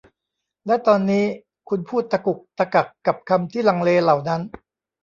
และตอนนี้คุณพูดตะกุกตะกักกับคำที่ลังเลเหล่านั้น